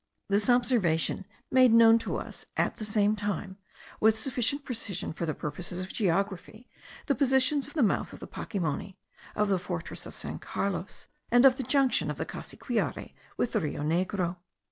This observation made known to us at the same time, with sufficient precision for the purposes of geography, the positions of the mouth of the Pacimoni, of the fortress of San Carlos, and of the junction of the Cassiquiare with the Rio Negro.